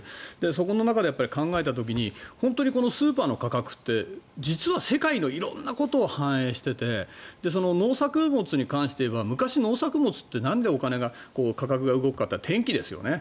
そこの中で考えた時に本当にスーパーの価格って実は世界の色んなことを反映していて農作物に関していえば昔、農作物ってなんでお金が価格が動くかって天気ですよね。